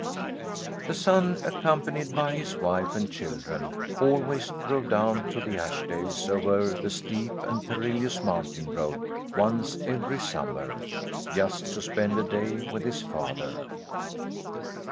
The son, accompanied by his wife and children, always drove down to the Ashdales over the steep and perilous mountain road once every summer, just to spend a day with his father.